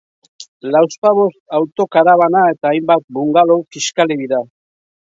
Lauzpabost autokarabana eta hainbat bungalow kiskali dira.